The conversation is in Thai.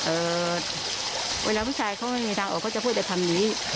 เวลาผู้ชายเขาไม่มีทางออกเขาจะพูดแต่ทำอย่างนี้